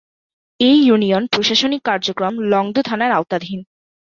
এ ইউনিয়নের প্রশাসনিক কার্যক্রম লংগদু থানার আওতাধীন।